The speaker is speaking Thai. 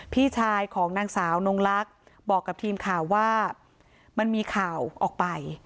พี่ชายของนางสาวนงลักษณ์บอกกับทีมข่าวว่ามันมีข่าวออกไป